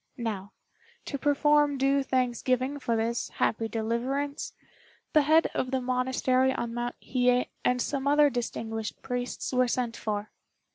Now, to perform due thanksgiving for this happy deliverance, the head of the monastery on Mount Hiye and some other distinguished priests were sent for.